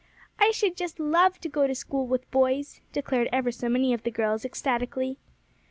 "I should just love to go to school with boys," declared ever so many of the girls ecstatically.